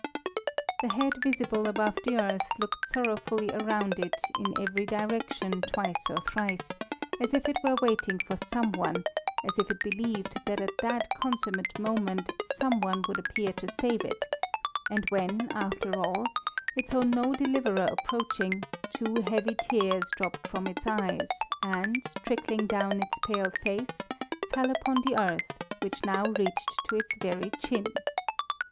The head visible above the earth looked sorrowfully around it in every direction twice or thrice, as if it were waiting for some one, as if it believed that at that consummate moment some one would appear to save it, and when, after all, it saw no deliverer approaching, two heavy tears dropped from its eyes and, trickling down its pale face, fell upon the earth which now reached to its very chin.